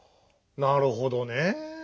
なるほどねぇ。